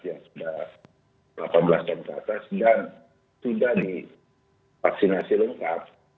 yang sudah delapan belas tahun ke atas dan sudah divaksinasi lengkap